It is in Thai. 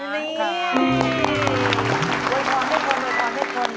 โดยพอให้คน